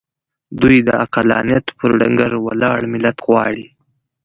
دوی د عقلانیت پر ډګر ولاړ ملت غواړي.